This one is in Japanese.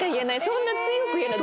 そんな強く言えない。